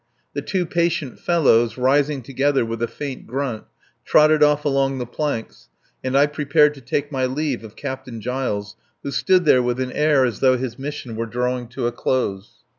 The two patient fellows, rising together with a faint grunt, trotted off along the planks, and I prepared to take my leave of Captain Giles, who stood there with an air as though his mission were drawing to a close.